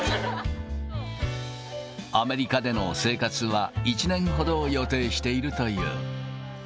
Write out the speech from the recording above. アメリカでの生活は１年ほどを予定しているという。